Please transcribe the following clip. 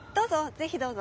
ぜひどうぞ。